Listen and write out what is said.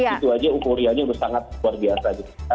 di situ aja ukurannya udah sangat luar biasa